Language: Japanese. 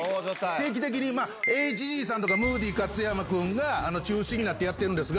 定期的にＨＧさんとか、ムーディ勝山君が中心になってやってるんですが。